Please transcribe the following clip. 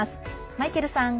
マイケルさん！